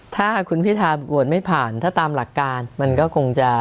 ถ้าคุณพิธาโหวตไม่ผ่านถ้าตามหลักการมันก็คงจะ